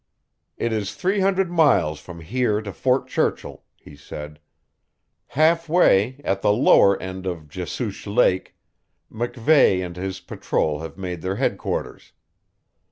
"It is three hundred miles from here to Fort Churchill," he said. "Half way, at the lower end of Jesuche Lake, MacVeigh and his patrol have made their headquarters.